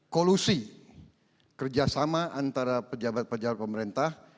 kolusi kerjasama antara pejabat pejabat pemerintah